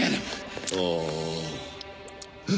ああ。